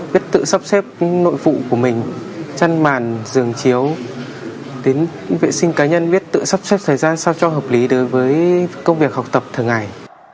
biết tự sắp xếp nội phụ của mình chăn màn giường chiếu đến vệ sinh cá nhân biết tự sắp xếp thời gian sao cho hợp lý đối với công việc học tập thường ngày